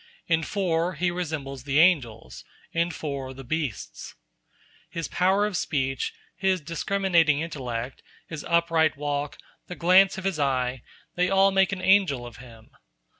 In four he resembles the angels, in four the beasts. His power of speech, his discriminating intellect, his upright walk, the glance of his eye—they all make an angel of him.